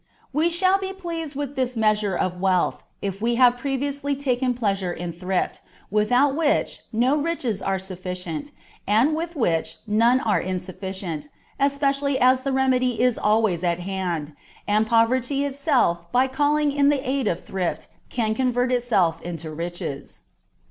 We shall be pleased with this measure of wealth if we have previously taken pleasure in thrift, without which no riches are sufficient, and with which none are insuffi cient, especially as the remedy is always at hand, and poverty itself by calling in the aid of thrift can convert itself into riches.